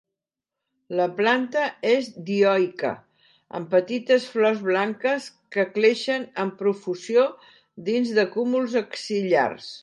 La planta és dioica, amb petites flors blanques que creixen amb profusió dins de cúmuls axil·lars.